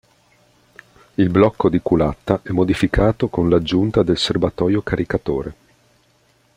Il blocco di culatta è modificato con l'aggiunta del serbatoio-caricatore.